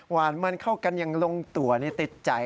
หวานมันเข้ากันอย่างลงตัวติดใจ